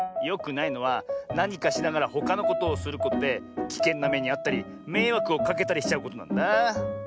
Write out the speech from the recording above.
よくないのはなにかしながらほかのことをすることできけんなめにあったりめいわくをかけたりしちゃうことなんだなあ。